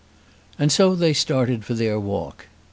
And so they started for their walk.